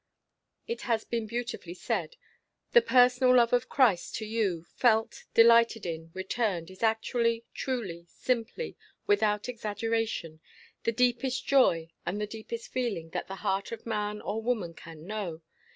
It has been beautifully said, "The personal love of Christ to you, felt, delighted in, returned, is actually, truly, simply, without exaggeration, the deepest joy and the deepest feeling that the heart of man or woman can know.